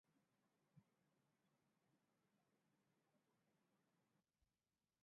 Hadi kuwahukumu waliopatikana na hatia ya kuwa na picha za ngono za watoto.